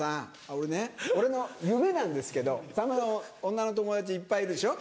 俺ね俺の夢なんですけどさんまさん女の友達いっぱいいるでしょ？